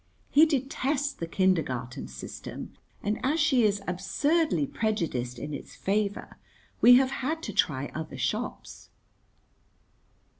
He detests the kindergarten system, and as she is absurdly prejudiced in its favour we have had to try other shops.